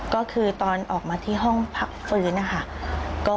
ก็คือตอนออกมาที่ห้องพักฟื้นนะคะ